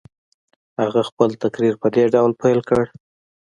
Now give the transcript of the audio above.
هغه خپل تقریر په دې ډول پیل کړ.